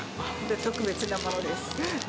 特別なものです。